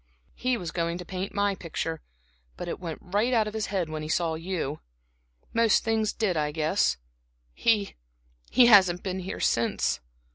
He was going to paint my picture, but it went out of his head when he saw you. Most things did, I guess. He he hasn't been here since."